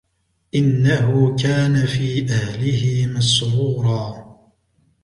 إنه كان في أهله مسرورا